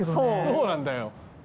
そうなんだよ。